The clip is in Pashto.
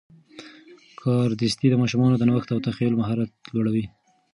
کاردستي د ماشومانو د نوښت او تخیل مهارت لوړوي.